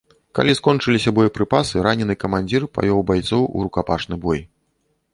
Калі скончыліся боепрыпасы, ранены камандзір павёў байцоў у рукапашны бой.